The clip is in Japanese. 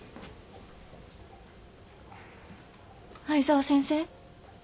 藍沢先生。